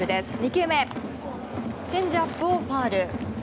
２球目チェンジアップをファウル。